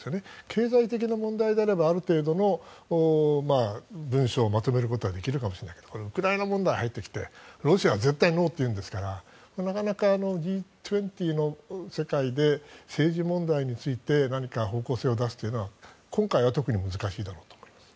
経済的な問題であればある程度の文書をまとめることはできるかもしれないけれどウクライナ問題が入ってきてロシアは絶対ノーと言うんですからなかなかＧ２０の世界で政治問題について何か方向性を出すというのは今回は特に難しいだろうと思います。